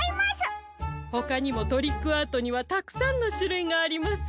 ほかにもトリックアートにはたくさんのしゅるいがあります。